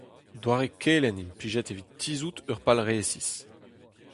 Doare kelenn implijet evit tizhout ur pal resis.